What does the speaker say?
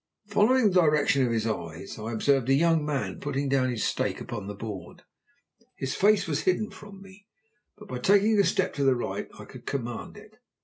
Following the direction of his eyes, I observed a young man putting down his stake upon the board. His face was hidden from me, but by taking a step to the right I could command it.